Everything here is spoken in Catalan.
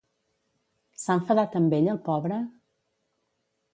S'ha enfadat amb ell el pobre?